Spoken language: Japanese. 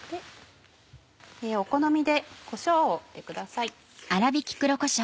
お好みでこしょうを振ってください。